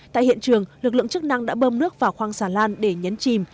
tại hiện trường lực lượng chức năng đã bơm nước vào khoang xà lan để nhấn chìm